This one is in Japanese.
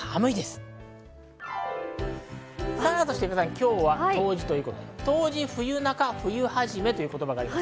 今日は冬至ということで冬中、冬はじめという言葉があります。